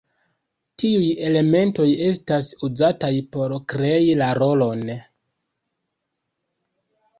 Tiuj elementoj estas uzataj por krei la rolon.